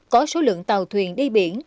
có số lượng tàu thuyền đi biển